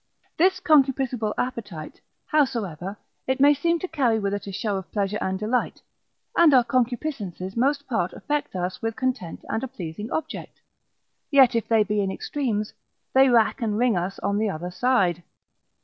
This concupiscible appetite, howsoever it may seem to carry with it a show of pleasure and delight, and our concupiscences most part affect us with content and a pleasing object, yet if they be in extremes, they rack and wring us on the other side.